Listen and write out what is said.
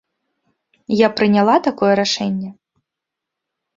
Я прыняла такое рашэнне.